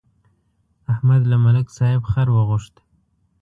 احمد له ملک صاحب خر وغوښت.